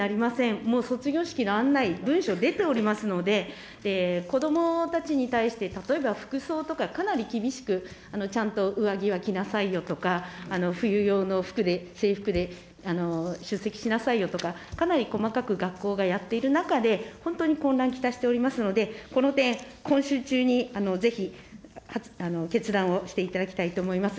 もう卒業式の案内、文書出ておりますので、子どもたちに対して、例えば、服装とか、かなり厳しくちゃんと上着は着なさいよとか、冬用の服で、制服で出席しなさいよとか、かなり細かく学校がやっている中で、本当に混乱をきたしておりますので、この点、今週中にぜひ、決断をしていただきたいと思います。